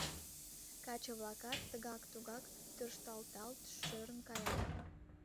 Каче-влакат тыгат-тугат тӧршталтат, шӧрын каят.